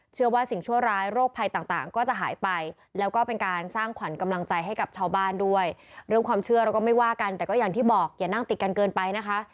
เชื่อว่าสิ่งชั่วร้ายโรคภัยต่างก็จะหายไปแล้วก็เป็นการสร้างขวัญกำลังใจให้กับชาวบ้านด้วยเรื่องความเชื่อเราก็ไม่ว่ากันแต่ก็อย่างที่บอกอย่านั่งติดกันเกินไปนะคะ